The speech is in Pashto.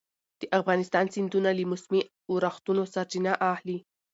د افغانستان سیندونه له موسمي اورښتونو سرچینه اخلي.